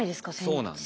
そうなんです。